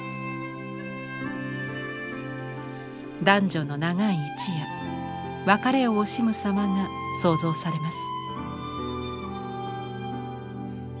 男女の長い一夜別れを惜しむ様が想像されます。